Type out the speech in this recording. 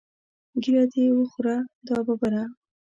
ږیره دې وخوره دا ببره.